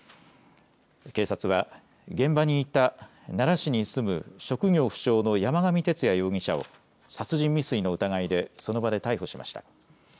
警察は現場にいた奈良市に住む職業不詳の山上徹也容疑者を殺人未遂の疑いでその場で逮捕しました。